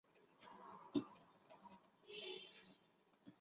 努伊扬人口变化图示